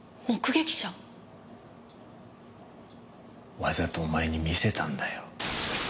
わざとお前に見せたんだよ。